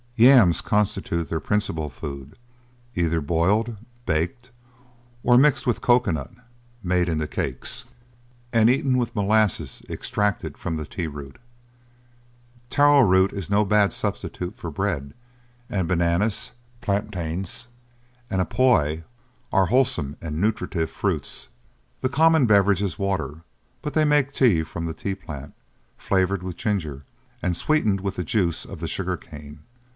Yams constitute their principal food, either boiled, baked, or mixed with cocoa nut, made into cakes, and eaten with molasses extracted from the tee root. Taro root is no bad substitute for bread; and bananas, plantains, and appoi, are wholesome and nutritive fruits. The common beverage is water, but they make tea from the tee plant, flavoured with ginger, and sweetened with the juice of the sugar cane.